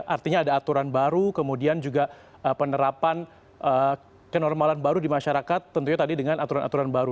artinya ada aturan baru kemudian juga penerapan kenormalan baru di masyarakat tentunya tadi dengan aturan aturan baru